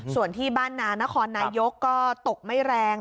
ส่วนที่บ้านนานครนายกก็ตกไม่แรง